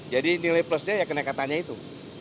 jadi nilai plusnya ya kenaikatannya itu